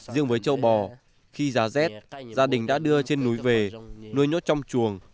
riêng với châu bò khi giá rét gia đình đã đưa trên núi về nuôi nhốt trong chuồng